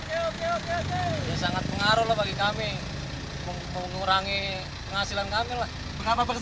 ya sangat pengaruh lah bagi kami mengurangi penghasilan kami lah